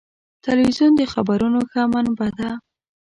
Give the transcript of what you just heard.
تلویزیون د خبرونو ښه منبع ده.